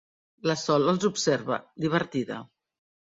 La Sol els observa, divertida.